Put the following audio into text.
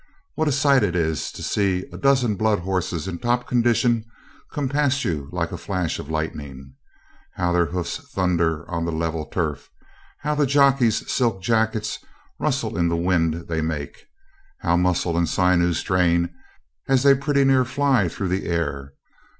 What a sight it is to see a dozen blood horses in top condition come past you like a flash of lightning! How their hoofs thunder on the level turf! How the jockeys' silk jackets rustle in the wind they make! How muscle and sinew strain as they pretty near fly through the air!